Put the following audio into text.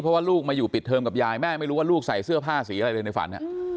เพราะว่าลูกมาอยู่ปิดเทิมกับยายแม่ไม่รู้ว่าลูกใส่เสื้อผ้าสีอะไรเลยในฝัน